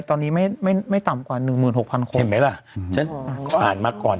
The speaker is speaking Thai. ตอนนี้ไม่ต่ำกว่า๑๖๐๐๐คน